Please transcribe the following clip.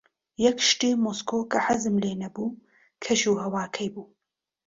یەک شتی مۆسکۆ کە حەزم لێی نەبوو، کەشوهەواکەی بوو.